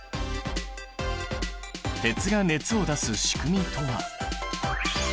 鉄が熱を出す仕組みとは。